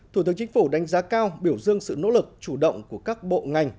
thủ tướng chính phủ đánh giá cao biểu dương sự nỗ lực chủ động của các bộ ngành